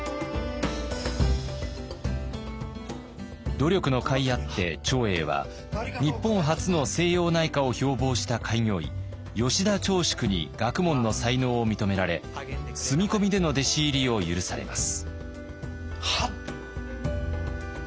努力のかいあって長英は日本初の西洋内科を標ぼうした開業医吉田長淑に学問の才能を認められ住み込みでの弟子入りを許されます。